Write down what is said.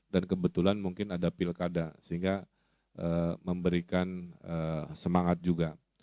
dan kebetulan mungkin ada pilkada sehingga memberikan semangat juga